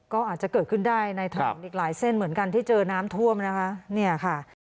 ก็อาจจะเกิดขึ้นได้ในถนนอีกหลายเส้นเหมือนกันที่เจอน้ำท่วมนะคะเนี่ยค่ะ